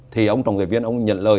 thì ông trọng tài viên nhận lời